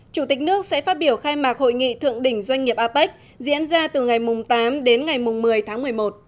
chủ tịch nước sẽ phát biểu khai mạc hội nghị thượng đỉnh doanh nghiệp apec diễn ra từ ngày tám đến ngày một mươi tháng một mươi một